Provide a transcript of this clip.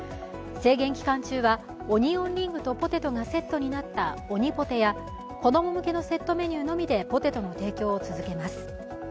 制限期間中はオニオンリングとポテトがセットになったオニポテや子供向けのセットメニューのみでポテトの提供を続けます。